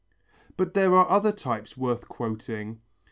But there are other types worth quoting.